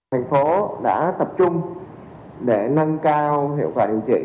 nếu không để nâng cao hiệu quả điều trị